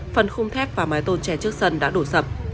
phần khung thép và mái tôn tre trước sân đã đổ sập